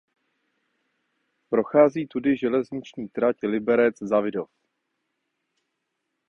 Prochází tudy železniční trať Liberec–Zawidów.